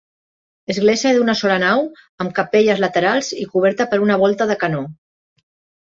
Església d'una sola nau amb capelles laterals i coberta per una volta de canó.